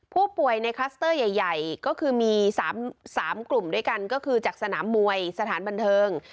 ผู้ป่วยในคลัสเตอร์ใหญ่ก็คือมี๓กลุ่มด้วยกันก็คือจากสนามมวยสถานบันเทิง